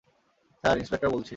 Sir, inspector বলছি।